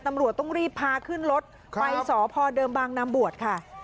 ตำรวจต้องรีบพาขึ้นรถไปสพเดิมบางนามบวชค่ะ